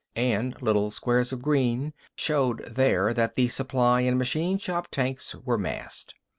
And little squares of green showed there that the supply and machine shop tanks were massed.